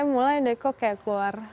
mulai deh kok kayak keluar